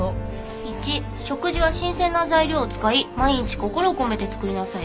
「１食事は新鮮な材料を使い毎日心を込めて作りなさい」